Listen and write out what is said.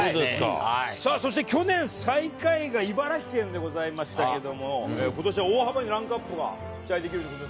さあ、そして去年、最下位が茨城県でございましたけれども、ことしは大幅にランクアップが期待できると。